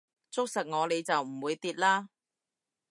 捉實我你就唔會跌啦